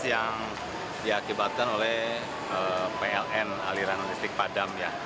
yang diakibatkan oleh pln aliran listrik padam ya